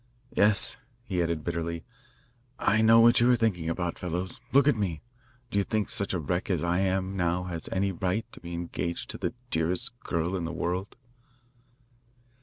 "Yes," he added bitterly, "I know what you are thinking about, fellows. Look at me! Do you think such a wreck as I am now has any right to be engaged to the dearest girl in the world?"